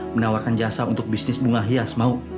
menawarkan jasa untuk bisnis bunga hias mau